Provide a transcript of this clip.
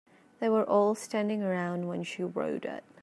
They were all standing around when she wrote it.